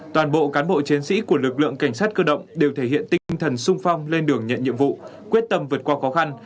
toàn bộ cán bộ chiến sĩ của lực lượng cảnh sát cơ động đều thể hiện tinh thần sung phong lên đường nhận nhiệm vụ quyết tâm vượt qua khó khăn